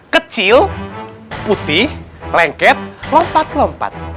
kecil putih lengket lompat lompat